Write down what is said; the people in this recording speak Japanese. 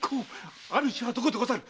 主はどこでござる？